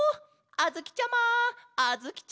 あづきちゃま！